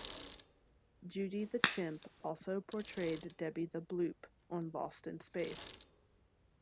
Judy the Chimp also portrayed "Debbie the Bloop" on "Lost in Space".